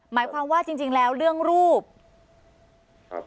หมายความว่าจริงจริงแล้วเรื่องรูปครับ